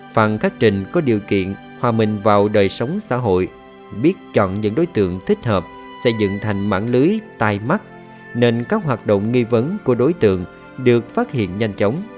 phần khắc trình có điều kiện hòa mình vào đời sống xã hội biết chọn những đối tượng thích hợp xây dựng thành mạng lưới tai mắt nên các hoạt động nghi vấn của đối tượng được phát hiện nhanh chóng